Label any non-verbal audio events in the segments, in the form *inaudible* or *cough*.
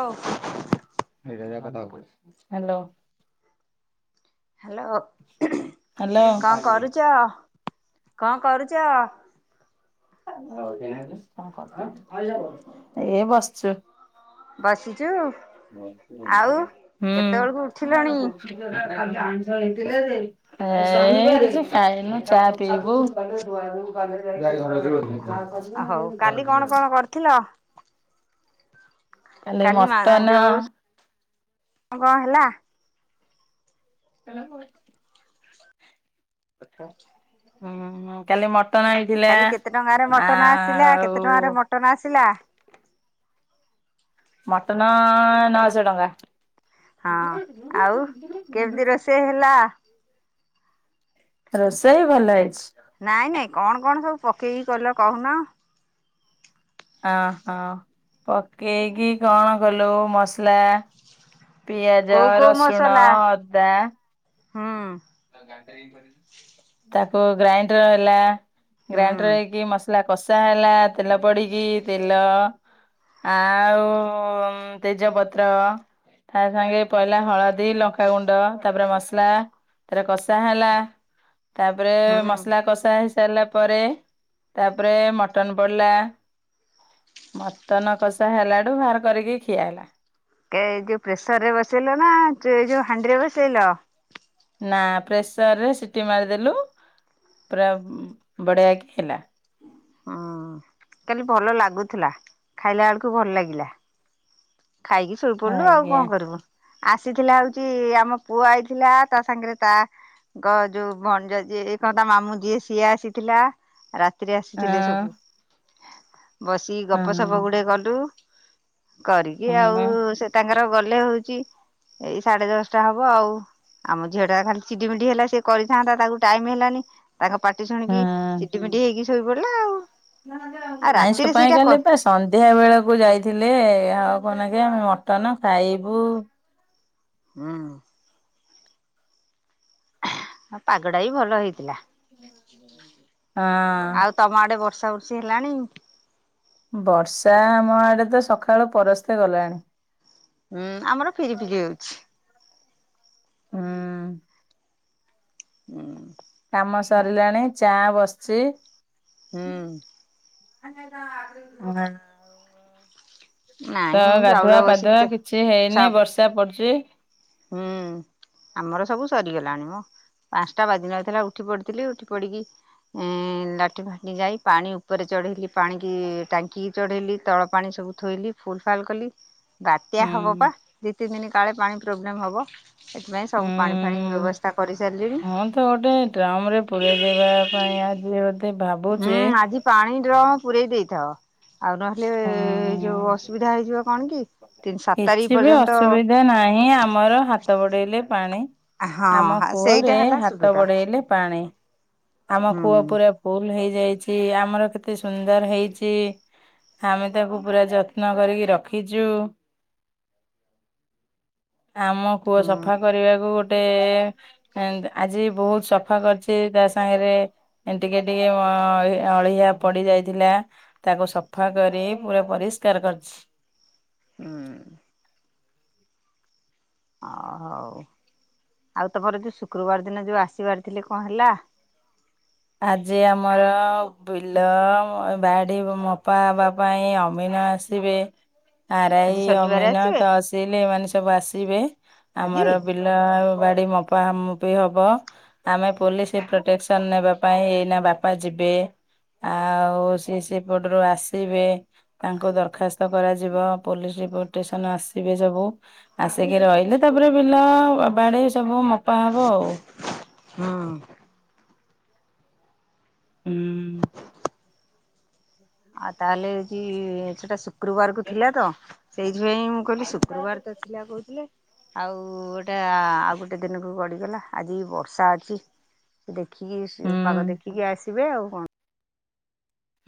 ଓ। ନିଜେ ନିଜେ କଥା ହବୁ ହ୍ୟାଲୋ। ହ୍ୟାଲୋ ହ୍ୟାଲୋ କଣ କରୁଚ କଅଁ କରୁଚ? ଏ ବସିଚୁ। ବସିଚୁ। ହୁଁ *unintelligible* ଉଠିଲଣି? ଏ ଖାଇନୁ ଚା ପିଇବୁ। ହଉ କାଲି କଣ କଣ କରିଥିଲ? କାଲି ମାଆ ଯୋଉ କଣ ହେଲା? ହେଲା ବହୁତ କାଲି ମଟନ ଆଣି କାଲି କେତେ ଟଙ୍କାରେ ମଟନ ଆସିଲା କେତେ ଟଙ୍କାରେ ମଟନ ଆସିଲା? ମଟନ ନଅ ଶହ ଟଙ୍କା। ସେ ହେଲା ରୋଷେଇ ଭଲ ହେଇଛି। ନାଇଁ ନାଇଁ କଣ କଣ ସବୁ ପକେଇକି କଲ କହୁନ? ହଁ ହଁ ପକେଇକି କଣ କଲୁ ମସଲା ପିଆଜ କୋଉ କୋଉ ରସୁଣ ଅଦା ହଁ। ତାକୁ ଗ୍ରାଇଣ୍ଡର ହେଲା ହୁଁ ଗ୍ରାଇଣ୍ଡର ହେଇକି ମସଲା କଷା ହେଲା ତେଲ ପଡିକି ତେଲ ଆଉ ତେଜପତ୍ର ତା ସାଙ୍ଗେ ପଇଲା ହଳଦୀ ଲଙ୍କାଗୁଣ୍ଡ ତାପରେ ମସଲା ତାରେ କଷା ହେଲା ତାପରେ ହୁଁ। ମସଲା କଷା ସାରିଲା ପରେ ତାପରେ ମଟନ ପଡିଲା। ମଟନ କଷା ହେଲାଠୁ ବାହାର କରିକି ଖିଆ ହେଲା। କେ ଏଇ ଯୋଉ ପ୍ରେସର ରେ ବସେଇଲ ନା ଏ ଯୋଉ ହାଣ୍ଡିରେ ବସେଇଲ। ନା ପ୍ରେସର ରେ ସିଟି ମାରିଦେଲୁ ପୁରା ବଢିଆକି ହେଲା। ହୁଁ କାଲି ଭଲ ଲାଗୁଥିଲା ଖାଇଲା ବେଳକୁ ଭଲ ଲାଗିଲା। ଖାଇକି ଶୋଇପଡିଲୁ ଆଉ ଆଜ୍ଞା କଣ କରିବୁ। ଆସିଥିଲା ହଉଛି ଆମ ପୁଅ ଆଇଥିଲା ତା ସାଙ୍ଗରେ ତା ତାଙ୍କ ଯୋଉ ଭଣଜା ଯିଏ ଏ କଣ ତା ମାମୁଁ ଯିଏ ସିଏ ଆସିଥିଲା। ରାତିରେ ଆସିଥିଲେ ସବୁ। ହଁ ବସିକି ଗପ ସପ ଗୁଡେ କଲୁ। ଏମିତ ହଁ ଆଉ ହଁ। ସେ ତାଙ୍କର ଗଲେ ହଉଛି ଏଇ ସାଢେ ଦଶଟା ହବ ଆଉ। ଆମ ଝିଅ ଟା ଖାଲି ଚିଡିମିଡି ହେଲା ସେ କରିଥାନ୍ତା ତାକୁ ଟାଇମ ହେଲାନି। ତାଙ୍କ ପାଟି ଶୁଣିକି ଚିଡ଼ିମିଡ଼ି ହେଇକି ଶୋଇ ପଡିଲା ଆଉ। ଆଉ ରାତିରେ ଆାଇଁଛପଁ ସେଇଟା କାଲେ କ ବାସ *unintelligible* ସନ୍ଧ୍ୟା ବେଳକୁ ଯାଇଥିଲେ ହକ ଲାଖେ ଆମେ ମଟନ ଖାଇବୁ। ହୁଁ। ପାଗ ଟା ବି ଭଲ ହେଇଥିଲା। ହଁ। ଆଉ ତମ ଆଡେ ବର୍ଷା ବୁର୍ଶୀ ହେଲାଣି। ବର୍ଷା ଆମ ଆଡେ ତ ସକାଳୁ ପରସ୍ତେ ଗଲାଣି। ହୁଁ ଆମର ଫିରି ଫିରି ହଉଛି। ହଁ। ହୁଁ। କାମ ସରିଲାଣି ଚା ବସିଛି। ହୁଁ ହଁ। *unintelligible* ନାଇଁ ତ ମୁଁ ଚାଉଳ ଗାଧୁଆ ବସିକି ପାଧୁଆ ଚା କିଛି ହେଇନି ବର୍ଷା ପଡୁଛି। ହଁ। ଆମର ସବୁ ସରିଗଲାଣି ମ ପାଞ୍ଚଟା ବାଜିନଥିଲା ଉଠି ପଡିଥିଲି ଉଠି ପଡିକି ହଁ ଲାଟିନ ଫାଟି ଯାଇ ପାଣି ଉପରେ ଚଢେଇଲି ପାଣି କି ଟାଙ୍କି ଚଢେଇଲି ତଳ ପାଣି ସବୁ ଥୋଇଲି ଫୁଲ ଫାଲ କଲି ବାତ୍ୟା ହେବ ହୁଁ ପା ଦୁଇ ତିନି ଦିନ କାଳେ ପାଣି ପ୍ରୋବ୍ଲେମ୍ ହବ। ସେଥିପାଇଁ ସବୁ ପାଣି ଫାଣି ହୁଁ। ବ୍ୟବସ୍ଥା କରି ସାରିଲିଣି। ହଁ ତ ଗୋଟେ ଡ୍ରମ ରେ ପୁରେଇ ଦେବା ପାଇଁ ଆଜି ହୁଁ ଭାବୁଛି। ଆଜି ପାଣି ଡ୍ର ପୁରେଇ ଦେଇଥାଏ। ଆଉ ନହେଲେ ଏଇ ଯୋଉ ହୁଁ ଅସୁବିଧା ହେଇଯିବ କଣ କି ତିନି ସାତ ତାରିଖ କିଛି ବି ପର୍ଯ୍ୟନ୍ତ ଅସୁବିଧା ନାହିଁ ଆମର ହାତ ବଡେଇଲେ ପାଣି। ଆମ ହଁ ସେଇଟା କୂଅରେ ହେଲା ହାତ ସୁବିଧା ବଢେଇଲେ ପାଣି। ଆମ ହୁଁ କୂଅ ପୁରା ଫୁଲ ହେଇଯାଇଛି ଆମର କେତେ ସୁନ୍ଦର ହେଇଛି। ଆମେ ତାକୁ ପୁରା ଯତ୍ନ କରିକି ରଖିଛୁ। *inaudible* ଆମ। କୁଅ ହୁଁ ସଫା କରିବାକୁ ଗୋଟେ ଆଜି ବହୁତ ସଫା କରିଛି ତା। ସାଇଁରେ ଟିକେ ଟିକେ ଅ ଅଳିଆ ପଡି ଯାଇଥିଲା। ତାକୁ ସଫା କରି ପୁରା ପରିଷ୍କାର କରିଛି। *inaudible* ଓ ହଉ ଆଉ ତମର ଯେଉଁ ଶୁକ୍ରବାର ଦିନ ଯେଉଁ ଆସିବାର ଥିଲେ କଣ ହେଲା। ଆଜି ଆମର ବିଲ ବାଡି ମୋପା ବା। ପାଇଁ ଅମିନା ଆସିବେ। *unintelligible* ଆରାଇ ଆଜି ଶନିବାର ଅମିନ ଆସିବେ ତହସିଲି ଏମାନେ ସବୁ ଆସିବେ ଆଜି ଆମର ବି ଲ ଆଉ ବାଡି ମପା ହ ମପି ହବ ଆମେ ପୋଲିସି ପ୍ରୋଟେକ୍ସନ ନେବା ପାଇଁ ଏଇନା ବାପା ଯିବେ ଆଉ ସି ସି ପୋର୍ଟର ଆସିବେ। ତାଙ୍କୁ ଦରଖାସ୍ତ କରାଯିବ ପୋଲିସି ପ୍ରୋଟେକ୍ସନ୍ ଆସିବେ ସବୁ। ଆସିକି ରହିଲେ ତାପରେ ବିଲ ବାଡ଼ି ସବୁ ମପା ହବ ଆଉ। ହୁଁ। ହୁଁ। ଆ ତାହେଲେ ହଉଚି ସେଟା ସୁ କ୍ରୁବାର କୁ ଥିଲା ତ ସେଇଥିପାଇଁ ମୁଁ କହିଲି ଶୁକ୍ରୁବାର ତ ଥିଲା କହୁଥିଲେ। ଆଉ ଗୋଟା ଆଉ ଗୋଟେ ଦିନକୁ ଗଡ଼ିଗଲା ଆଜି ବର୍ଷା ଅଛି। ହୁଁ। ଦେଖିକି ପାଗ ଦେଖିକି ଆସିବେ ଆଉ କଣ।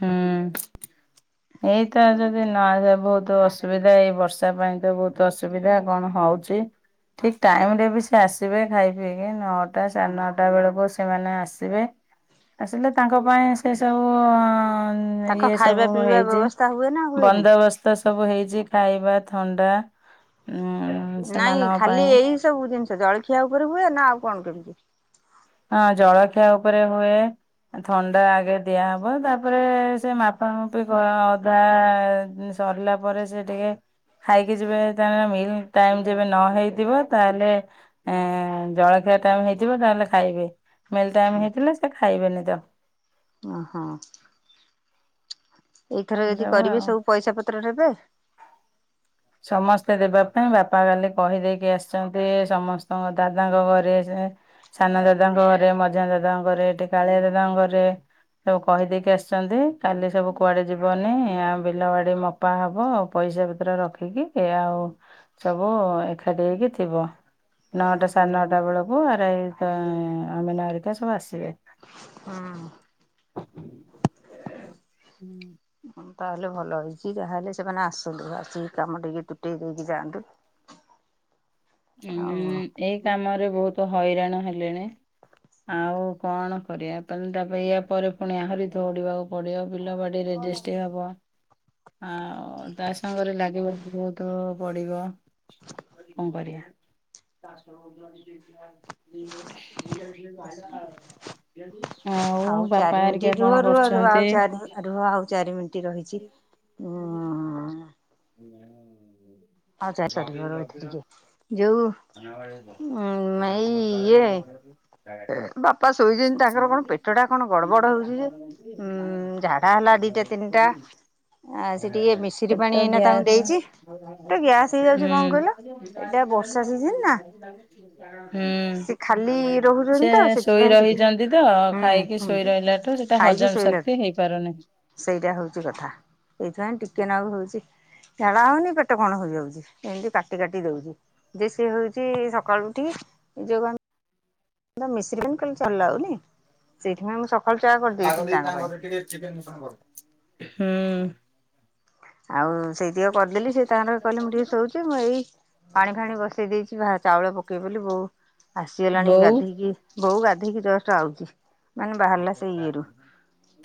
ହୁଁ ଏଇତ ଯଦି ନଦେବୁ ତ ଅସୁବିଧା ଏଇ ବର୍ଷା ପାଇଁ ତ ବହୁତ୍ ଅସୁବିଧା କଣ ହଉଚି। ଠିକ୍ ଟାଇମ୍ ରେ ବି ସେ ଆସିବେ ଖାଇ ପିଇକି ନଅଟା ସାଢେ ନଅଟା ବେଳକୁ ସେମାନେ ଆସିବେ। ଆସିଲେ ତାଙ୍କ ପାଇଁ ସେ ସବୁ। ତାଙ୍କ ଇଏ ଖାଇବା ସବୁ ପିଇବା ହେଇଚି ବ୍ୟବସ୍ଥା ହୁଏ ନା ହୁଏନି? ବନ୍ଦୋବ ସ୍ତ ସବୁ ହେଇଛି ଖାଇବା ଥଣ୍ଡା ଉଁ ନାଇଁ ସେମାନଙ୍କ ଖାଲି ପାଇଁ। ଏଇ ସବୁ ଜିନିଷ ଜଳଖିଆ ଉପରେ ହୁଏ ନା ଆଉ କଣ କେମତି? ହଁ ଜଳଖିଆ ଉପରେ ହୁଏ। ଥଣ୍ଡା ଆଗେ ଦିଆହବ ତାପରେ ସେ ମାପା ମାପି କ ଅଧା। ସରଲା ପରେ ସେ ଟିକେ। ଖାଇକି ଯିବେ ତାଙ୍କ ମିଲ୍ ଟାଇମ୍ ଯେବେ ନ ହେଇଥିବ ତାହେଲେ। ଏଁ ଜଳଖିଆ ଟାଇମ୍ ହେଇଥିବ ତାହେଲେ ଖାଇବେ ମିଲ୍ ଟାଇମ୍ ହେଇଥିଲେ ସେ ଖାଇବେନି ତ। ଓହୋ ଏଇଥର ଯଦି ଏସବୁ କରିବେ ଆଉ। ସବୁ ପଇସା ପତ୍ର ଦେବେ? ସମସ୍ତେ ଦେବା ପାଇଁ ବାପା କାଲି କହିଦେଇକି ଆସିଛନ୍ତି ସମସ୍ତଙ୍କ ଦାଦାଙ୍କ ଘରେ ସେ। ସାନ ଦାଦାଙ୍କ ଘରେ ମଝିଆ ଦାଦାଙ୍କ ଘରେ ଏଠି କାଳିଆ ଦାଦାଙ୍କ ଘରେ। ସବୁ କହିଦେଇକି ଆସଚନ୍ତି କାଲି ସବୁ କୁଆଡେ ଯିବନି ଆମ ବିଲବାଡି ମ ପା ହବ ପଇସା ପତର ର ଖିକି ଏଇଆ ଆଉ ସବୁ ଏକାଠି ହେଇକି ଥିବ। ନଅଟା ସାଢ଼େ ନଅଟା ବେଳକୁ ଆରାଇ କା ଅମିନ ଘରିକା ସବୁ ଆସିବେ। ହୁଁ। ହୁଁ। ହଁ ତାହେଲେ ଭଲ ହେଇଛି ଯାହାହେଲେ ସେମାନେ ଆସନ୍ତୁ ଆସିକି କାମ ଟିକେ ତୁଟେଇ ଦେଇକି ଯାଆନ୍ତୁ। ଉଁ ଆଉ ଏଇ କାମରେ ବହୁତ୍ ହଇରାଣ ହେଲେଣି। ଆଉ କଣ କରିବା ତାହେଲେ ତାପ ଏୟା ପରେ ଫୁଣି ଆହୁରି ଦଉଡିବାକୁ ପଡିବ ବିଲ ବାଡି। ରେ ରେଜିଷ୍ଟ୍ ହବ। ଆଉ ତା ସାଙ୍ଗରେ ଲାଗିବାକୁ ବହୁତୁ ପଡିବ କଣ କରିବା। *inaudible* ଆଉ ବାପା ଚାରି ମିଣ୍ଟି ହେରିକା ରୁହ କଣ ରୁହ ରୁହ ଆଉ କରୁଛନ୍ତି? ଚାରି ରୁହ ଆଉ ଚାରି ମି ଣ୍ଟି ରହିଛି ଉ *inaudible* ଆଉ ଚାର୍ସଟେ ତରୁହ ରୁହ ରହିଥା ଟିକେ ଯୋଉ। ଉଁ *unintelligible* ଏଇ ଇଏ *inaudible* ବାପା ଶୋଇଚନ୍ତି ତାଙ୍କର କଣ ପେଟ ଟା କଣ ଗଡବଡ ହଉଚି ଯେ ଉଁ ଝାଡା ହେଲା ଦିଟା ତିନଟା ଆଜି ଟିକେ ମିଶିରି ପେଟ ପାଣି ଏଇନା ତାଙ୍କୁ ଗ୍ୟାସ ଦେଇଚି ତ ଗ୍ୟାସ୍ ହେଇଯାଉଚି କଣ କହିଲ ହୁଁ। ଏଇଟା ବର୍ଷା ସିଜିନ ନା ସେ ଖାଲି ରହୁଛନ୍ତି ତ *unintelligible* ଶୋଇ ସେଥିପାଇଁ ଟିକେ ରହିଚନ୍ତି ତ ହୁଁ ଖାଇକି ହୁଁ ଶୋଇ ରହିଲାଠୁ ସେଟା ଖାଇକି ହଜମ ଶୋଇଲାଠୁ ଶକ୍ତି ହେଇପାରୁନି। ସେଇଟା ହଉଚି କଥା *unintelligible* ଟିକେ ନାଗୁ ହଉଚି। ଝାଡା ହଉନି ପେଟ କଣ ହେଇଯାଉଚି ଏମିତି କାଟି-କାଟି ଦଉଚି। ଦେ ସିଏ ହଉଚି ସିଏ ସକାଳୁ ଉଠିକି ଯୋଉ ମିଶ୍ରୀ ପାଇଁ କହଲେ *unintelligible* ସେଇଥିପାଇଁ ମୁଁ ସକାଳୁ ଚା କରିଦେଇଥିଲି ତାଙ୍କ ପାଇଁ ହୁଁ। ଆଉ ସେଇ ଟିକେ କରିଦେଲି ସେ ତାଙ୍କର କହିଲେ ମୁଁ ଟିକେ *unintelligible* ମୁଁ ଏଇ ପାଣି ଫାଣି ବସେଇ ଦେଇଚି ଭା ଚାଉଳ ପକେଇବ ବୋଲି ବୋଉ ଆସିଗଲାଣି ବୋଉ ଗାଧେଇକି ବୋଉ ଗାଧେଇକି ଜଷ୍ଟ ଆଉଚି।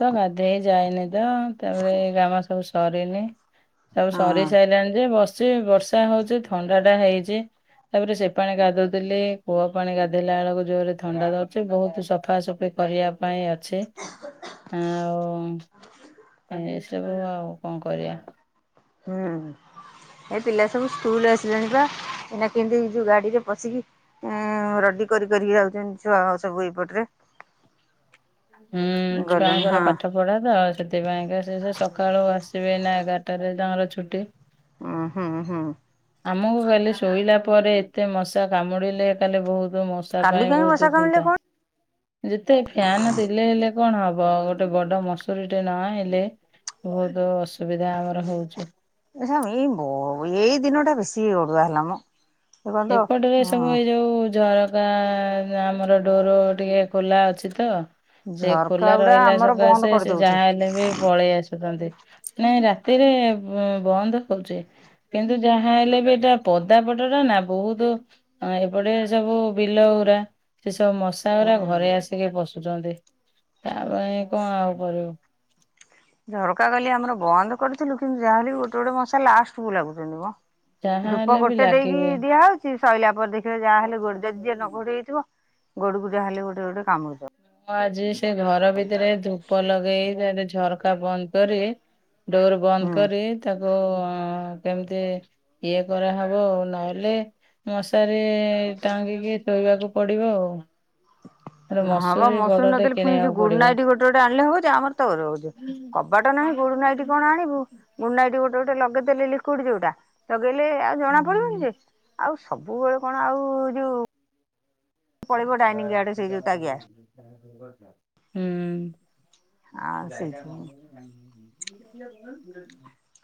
ତ ଗାଧୋଇ ଯାଇନି ତ ତାପରେ *unintelligible* ସବୁ ସରିନି ସବୁ ହଁ ସରି ସାରିଲାଣି ଯେ ବସିଚି ବର୍ଷା ହଉଚି ଥଣ୍ଡା ଟା ହେଇଚି। ତାପରେ ସେ ପାଣି ଗାଧାଉଥିଲି କୂଅ ପାଣି ଗାଧେଇଲା ବେଳକୁ ଜୋରେ ଥଣ୍ଡା ଧରୁଚି ବହୁତୁ ସଫା ସଫି କରିଆ ପାଇଁ ଅଛେ ଆଉ ସେବେ ଆଉ କଣ କରିଆ। ହୁଁ। ଏ ପିଲା ସବୁ ସ୍କୁଲ୍ ଆସିଲେଣି ବା ଏଇନା କେମିତି ଏଇ ଯୋଉ ଗାଡି ରେ ପଶିକି ଉଁ ରଡି କରି କରିକି ଆଉଛନ୍ତି ଛୁଆ ସବୁ ଏଇପଟରେ। ହୁଁ ଗଲେଣି ଛୁଆଙ୍କର ହଁ ପାଠ ପଢା ତ ଆଉ ସେଥିପାଇଁକା ସେ-ସେ ସକାଳୁ ଆସିବେ ନା ଏଗାର ଟାରେ ତାଙ୍କର ଛୁଟି। ଓଁ ହୁଁ-ହୁଁ। ଆମକୁ କାଲି ଶୋଇଲା ପରେ ଏତେ ମଶା କାମୁଡିଲେ କାଲି ବହୁତ ମ ତା କାଲି ପାଇଁ କାହିଁ ବର୍ଷା ବହୁତ କମିଲେ ଚିନ୍ତା କଣ ଯେତେ ଫ୍ୟାନ୍ ଦେଲେ ହେଲେ କଣ ହବ ଗୋଟେ ବଡ ମସୁରୀ ଟେ ନ ଆଣିଲେ ବହୁତ୍ ଅସୁବିଧା ଆମର ହଉଛି। *unintelligible* ବ ଏଇ ଦିନଟା ବେଶି ଅଡୁଆ ହେଲାମ। ଏପଟରେ ଏ ସବୁ ଏଇ ଯୋଉ ଝର କା ଆମର ଡୋର୍ ଟିକେ ଖୋଲା ଅଛି ତ ସେ ଝରକା ଖୋଲା ଗୁଡା ରହିଲା ଆମର ବନ୍ଦ ସକାଶେ ସେ କରିଦଉଛୁ ଯାହା ହେଲେ ବି ପଳେଇ ଆସୁଚନ୍ତି। ନାଇଁ ରାତିରେ ବନ୍ଦ ହଉଚି। କିନ୍ତୁ ଯାହା ହେଲେ ବି ଏଟା ପଦା ପଟଟା ନା ବହୁତୁ ଏପଟେ ସବୁ ବିଲଗୁରା ସେ ସବୁ ମଶା ଗୁରା ହୁଁ। ଘରେ ଆ ସିକି ପଶୁଚନ୍ତି ତା ପାଇଁ କଣ ଆଉ କରିବୁ। ଝରକା କାଲି ଆମର ବନ୍ଦ କରିଥିଲୁ କିନ୍ତୁ ଯାହାହେଲି ବି ଗୋଟେ-ଗୋଟେ ମସା ଲାଷ୍ଟକୁୁ ଲାଗୁଛନ୍ତି ମ। ଯାହା ଧୂପ ହେଲେ ବି ଗୋଟେ ଦେଇକି ଲାଗିବେ। ଦିଆହଉ ଚି ସଇଲା ପରେ ଦେଖିବା ଯାହାହେଲେ ଗୋଡ ଯଦି ଟିକେ ନ ଘୋଡେଇ ହେଇଥିବ ଗୋଡକୁ ଯାହାହେଲେ ଗୋଟେ-ଗୋଟେ *unintelligible* ମୁଁ ଆଜି ସେ ଘର ଭିତରେ ଧୂପ ଲଗେଇ *unintelligible* ଝରକା ବନ୍ଦ କରି ଡୋର ବନ୍ଦ ହୁଁ। କରି ତାକୁ କେମିତି ଇଏ କରାହବ ଉ ନହେଲେ ମଶାରେ ଟାଙ୍ଗିକି ଶୋଇବାକୁ ପଡିବ ଆଉ। ଗୋଟେ ହଁ ବା ମସୁରୀ ବଡଟେ ନଦେଲେ ଫୁଣି ଏଇ କିଣିବାକୁ ଯୋଉ ଗୁଡ୍ ପଡିବ। ନାଇଟ୍ ଗୋଟେ-ଗୋଟେ ଆଣିଲେ ହବ ଯେ ଆମର ତ ରହୁଚି କବାଟ ନାହିଁ ଗୁଡ୍ ନାଇଟ୍ କଣ ଆଣିବୁ। ଗୁଡନାଇଟ୍ ଗୋଟେ ଗୋଟେ ଲଗେଇଦେଲେ ଲିକ୍ୱିଡି ଯଉଟା ଲଗେଇଲେ ଆଉ ଜଣା ପଡିବନି ହୁଁ ଯେ ଆଉ ସବୁବେଳେ କଣ ଆଉ ଯୋଉ ପଳେଇବ ଡାଇନିଂ ଆଡେ ସେଇ ଯୋଉ ତା ଗ୍ୟାସ୍ ହୁଁ। ଆଉ ସେଇଥିପାଇଁ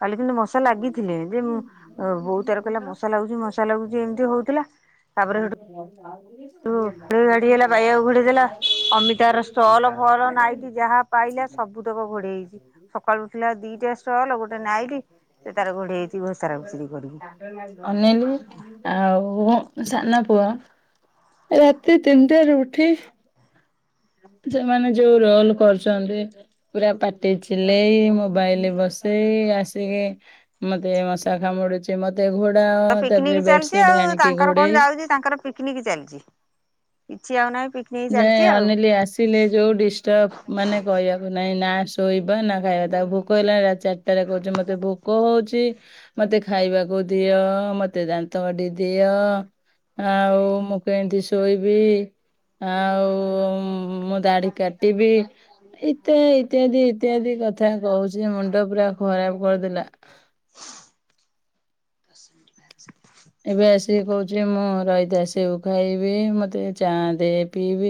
କାଲି କିନ୍ତୁ ମଶା ଲାଗିଥିଲେ ଯେ ବୋଉ ତାର କହିଲା ମଶା ଲାଗୁଛି *unintelligible* ମଶା ଲାଗୁଛି ଏମିତି ହଉଥିଲା ତାପରେ *unintelligible* *unintelligible* ଘାଡି ହେଲା ପାଇବାକୁ ଘୋଡେଇ ଦେଲା ଅମିତାର ଷ୍ଟଲ ଫଲ ନାଇଟ ଯାହା ପାଇଲା ସବୁ ତକ ଘୋଡେଇଇଚି। ସକାଳୁ ଉଠିଲା ଦିଟା ଷ୍ଟଲ ଗୋଟେ ନାଇଟି ସେ ତାର ଘୋଡେଇ ହେଇଚି ଘୋସରା ଘୁଷୁରି କରିକି। ଅନେଇଲୁ ଆଉ ସାନା ପୁଅ ରା ତି ତିନିଟା ରୁ ଉଠି ସେମାନେ ଯୋଉ ରୋଲ କରୁଚନ୍ତି। ପୁରା ପାଟି ଚିଲେଇ ମୋବାଇଲି ବସେଇ ଆସିକି ମତେ ମଶା କାମୁଡୁଚି ମତେ ଘୋଡାଅ ତ ପିକନିକ ତାପରେ ଚାଲିଛି ବେଡସିଡ୍ ଆଉ ଆଣିକି ତାଙ୍କର କଣ ଘୋଡେଇ ଯାଉଛି ତାଙ୍କର ପିକନିକ ଚାଲିଚି କିଛି ଆଉନାଇଁ ପି ଯାଏ ଅନିଲି ଆସ ଥିନେ ଯୋଉ ଡିଷ୍ଟର୍ବ ମାନେ କହିବାକୁ ନାଇଁ ନା ଶୋଇବା ନା ଖାଇବା ତାକୁ ଭୋକ ହେଲା ରାତି ଚାରି ଟା କହୁଚି ମତେ ଭୋକ ହଉଚି। ମତେ ଖାଇବାକୁ ଦିଅ ମତେ ଦାନ୍ତ କାଠି ଦିଅ। ଆଉ ମୁଁ କେମିତି ଶୋଇବି? ଆଉ ମ ଦାଢ କାଟିବି ଇତ୍ୟାଇ ଇତ୍ୟାଦି ଇତ୍ୟାଦି କଥା କହୁଚି ମୁଣ୍ଡପୁରା ଖରାପ କରିଦେଲା। ଦଶ ମିନିଟ୍ ଭାଜି ଦେ। ଏବେ ଆସିକି କହୁଚି ମୁଁ ରହିଥା ସେଉ ଖାଇବି ମତେ ଚା ଦେ ପିଇବି।